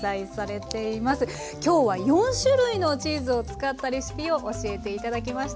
今日は４種類のチーズを使ったレシピを教えて頂きました。